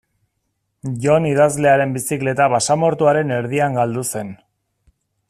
Jon idazlearen bizikleta basamortuaren erdian galdu zen.